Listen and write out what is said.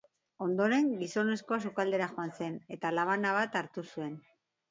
Ondoren, gizonezkoa sukaldera joan zen, eta labana bat hartu zuen.